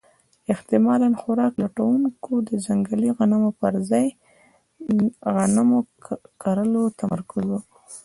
احتمالاً خوراک لټونکو د ځنګلي غنمو پر ځای پر غنمو کرلو تمرکز وکړ.